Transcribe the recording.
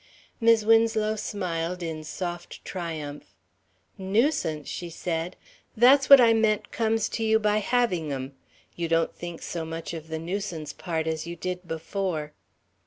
Mis' Winslow smiled in soft triumph. "Nuisance!" she said. "That's what I meant comes to you by having 'em. You don't think so much of the nuisance part as you did before."